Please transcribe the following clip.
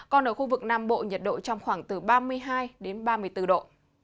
còn ở khu vực nam bộ nhiệt độ trong khoảng từ ba mươi hai đến ba mươi bốn độ